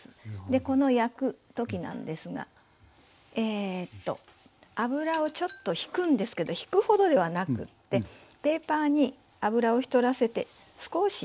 でこの焼く時なんですが油をちょっとひくんですけどひくほどではなくってペーパーに油をひたらせて少し。